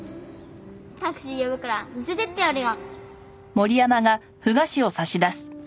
タクシー呼ぶから乗せてってやるよ。